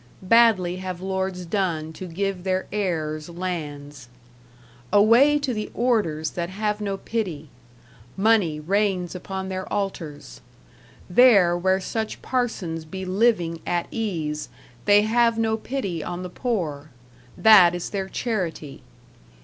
Badly have lords done to give their heirs' lands Away to the Orders that have no pity; Money rains upon their altars. There where such parsons be living at ease They have no pity on the poor; that is their "charity".